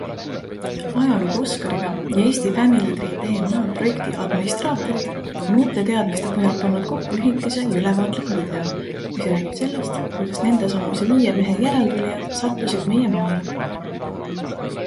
Ajalugu Oskariga ja Eesti Family Tree DNA projekti administraatorid on uute teadmiste põhjal pannud kokku lühikese ja ülevaatliku video, mis räägib sellest, kuidas nendesamuse viie mehe järeltulijad sattusid meie maale.